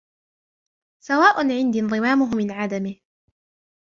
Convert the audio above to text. سواءٌ عندي انضمامه من عدمه.